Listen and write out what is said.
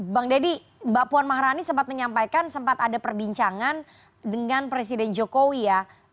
bang deddy mbak puan maharani sempat menyampaikan sempat ada perbincangan dengan presiden jokowi ya